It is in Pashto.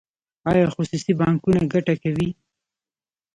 آیا خصوصي بانکونه ګټه کوي؟